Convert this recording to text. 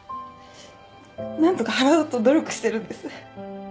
なんとか払おうと努力しているんです。